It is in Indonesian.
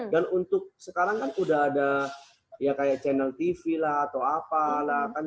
dan untuk sekarang kan udah ada ya kayak channel tv lah atau apa lah kan